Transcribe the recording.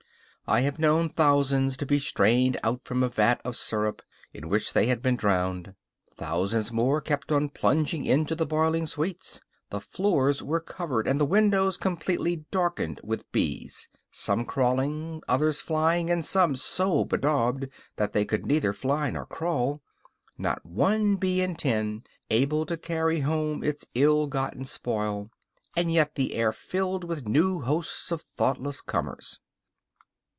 I have known thousands to be strained out from a vat of sirup in which they had been drowned; thousands more kept on plunging into the boiling sweets; the floors were covered and the windows completely darkened with bees, some crawling, others flying, and some so bedaubed that they could neither fly nor crawl not one bee in ten able to carry home its ill gotten spoil, and yet the air filled with new hosts of thoughtless comers!"